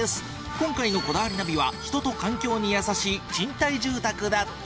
今回の『こだわりナビ』は人と環境に優しい賃貸住宅だって。